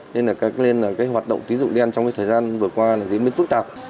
nên hoạt động tí dụng đen trong thời gian vừa qua diễn biến phức tạp